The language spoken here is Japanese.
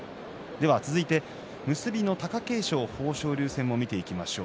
続いて結びの貴景勝、豊昇龍戦を見ていきましょう。